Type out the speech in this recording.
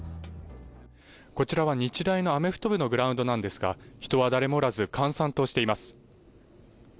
こちらは日大のアメフト部のグラウンドなんですが人は誰もおらず、閑散としています。